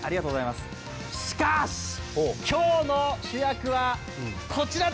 しかし、今日の主役はこちらだ！